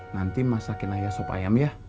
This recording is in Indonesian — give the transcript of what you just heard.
nanti masakin ayah sop ayam ya